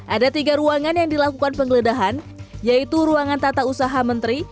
ada tiga ruangan yang dilakukan penggeledahan yaitu ruangan tata usaha menteri